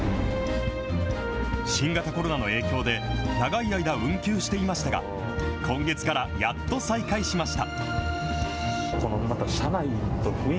新型コロナの影響で、長い間運休していましたが、今月からやっと再開しました。